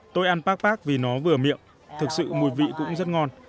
tôi ăn pakpak vì nó vừa miệng thực sự mùi vị cũng rất ngon